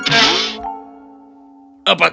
apakah kau ingin menikmati pesta